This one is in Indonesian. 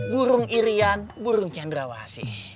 burung irian burung cendrawasi